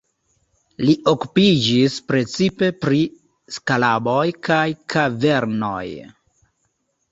Li okupiĝis precipe pri skaraboj kaj kavernoj.